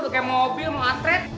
dukai mobil mau antret